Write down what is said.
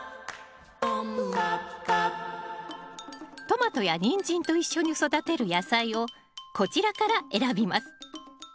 トマトやニンジンと一緒に育てる野菜をこちらから選びます。